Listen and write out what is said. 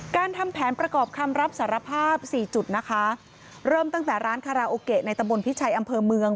ทำแผนประกอบคำรับสารภาพสี่จุดนะคะเริ่มตั้งแต่ร้านคาราโอเกะในตะบนพิชัยอำเภอเมือง